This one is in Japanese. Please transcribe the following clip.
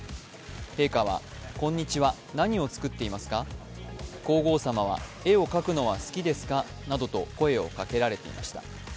陛下は、こんにちは、何を作っていますか皇后さまは、絵を描くのは好きですか？などと声をかけられていました。